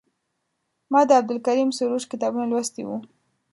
ما د عبدالکریم سروش کتابونه لوستي وو.